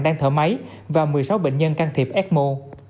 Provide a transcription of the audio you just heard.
đang thở máy và một mươi sáu bệnh nhân can thiệp ecmo